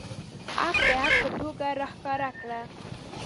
حق د حق په توګه راښکاره کړه.